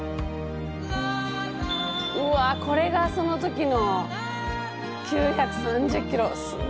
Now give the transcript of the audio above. うわこれがその時の９３０ｋｇすご。